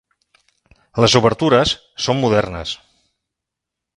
Les obertures són modernes.